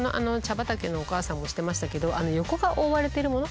畑のおかあさんもしてましたけど横が覆われてるもの。